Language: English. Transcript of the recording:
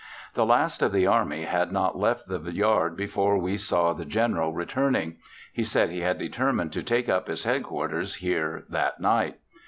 The last of the army had not left the yard before we saw the General returning; he said he had determined to take up his headquarters here that night.